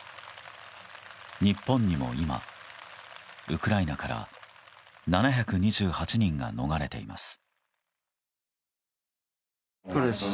日本にも今、ウクライナから７２８人が逃れています。